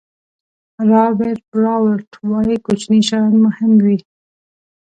رابرټ براولټ وایي کوچني شیان مهم وي.